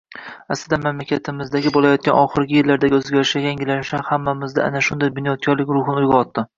Aslida, mamlakatimizda boʻlayotgan oxirgi yillardagi oʻzgarishlar, yangilanishlar hammamizda ana shunday bunyodkorlik ruhini uygʻotdi.